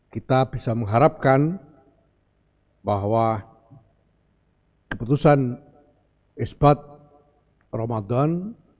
kita bisa mengharapkan bahwa keputusan isbat ramadan